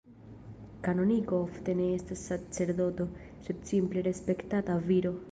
Kanoniko ofte ne estas sacerdoto, sed simple respektata viro.